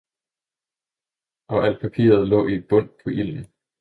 Og alt papiret lå i et bundt på ilden.